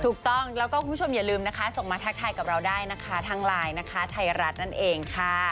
ถูกต้องแล้วก็คุณผู้ชมอย่าลืมนะคะส่งมาทักทายกับเราได้นะคะทางไลน์นะคะไทยรัฐนั่นเองค่ะ